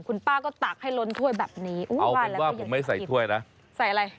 คุณป้าก็ตักให้ล้นถ้วยแบบนี้เอาเป็นว่าผมไม่ใส่ถ้วยนะ